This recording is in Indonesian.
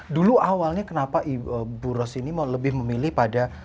dulu awalnya kenapa ibu ros ini lebih memilih pada